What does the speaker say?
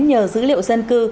nhờ dữ liệu dân cư